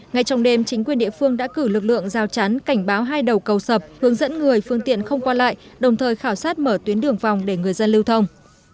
ngay trong đêm chính quyền địa phương đã cử lực lượng giao chắn cảnh báo hai đầu cầu sập hướng dẫn người phương tiện không qua lại đồng thời khảo sát mở tuyến đường vòng để người dân lưu thông